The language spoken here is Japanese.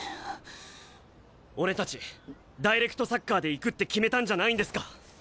俺たちダイレクトサッカーでいくって決めたんじゃないんですか？